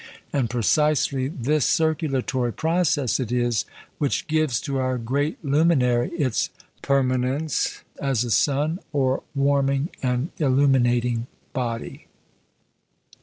And precisely this circulatory process it is which gives to our great luminary its permance as a sun, or warming and illuminating body.